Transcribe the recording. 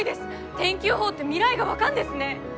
天気予報って未来が分かんですね！